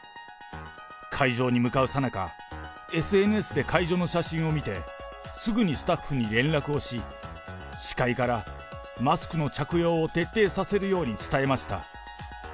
会場に向かうさなか、ＳＮＳで会場の写真を見て、すぐにスタッフに連絡をし、司会からマスクの着用を徹底させるように伝えました。